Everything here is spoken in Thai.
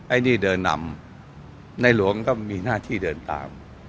ไอ้นี่เดินนำในหลวงก็มีหน้าที่เดินตาม